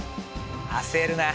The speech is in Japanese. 焦るな。